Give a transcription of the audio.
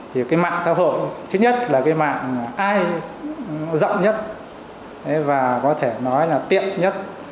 thì mạng xã hội thứ nhất là mạng ai rộng nhất và có thể nói là tiện nhất